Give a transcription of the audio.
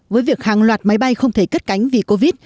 với việc hàng loạt máy bay không thể cất cánh vì covid